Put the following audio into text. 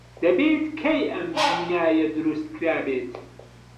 دەبێت کەی ئەم بینایە دروست کرابێت.